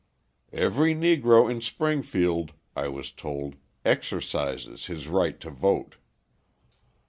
"Every Negro in Springfield," I was told, "exercises his right to vote."